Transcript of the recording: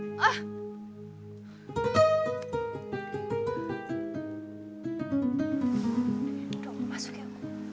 udah aku masuk ya